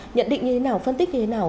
nhận định như thế nào phân tích như thế nào